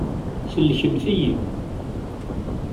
Sellkemt-iyi!